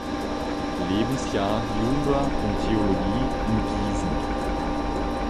Lebensjahr Jura und Theologie in Gießen.